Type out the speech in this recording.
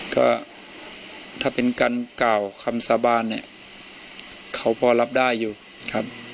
ก็ถ้าเป็นการกล่าวคำสาบานเนี่ยเขาพอรับได้อยู่ครับ